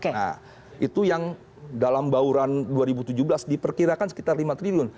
nah itu yang dalam bauran dua ribu tujuh belas diperkirakan sekitar lima triliun